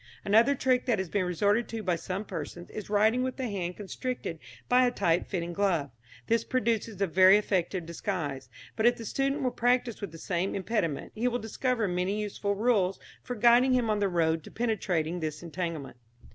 Another trick that has been resorted to by some persons is writing with the hand constricted by a tight fitting glove. This produces a very effective disguise; but if the student will practise with the same impediment, he will discover many useful rules for guiding him on the road to penetrating this entanglement.